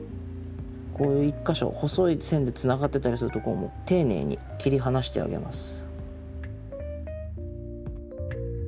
こう一か所細い線でつながってたりするところもていねいに切り離してあげます。